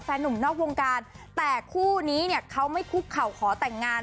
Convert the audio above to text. หนุ่มนอกวงการแต่คู่นี้เนี่ยเขาไม่คุกเข่าขอแต่งงาน